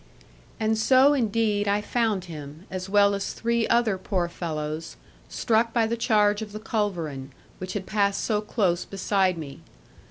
And so indeed I found him, as well as three other poor fellows, struck by the charge of the culverin, which had passed so close beside me.